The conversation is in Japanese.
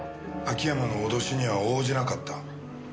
秋山の脅しには応じなかった。